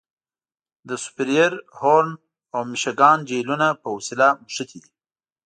د سوپریر، هورن او میشګان جهیلونه په وسیله نښتي دي.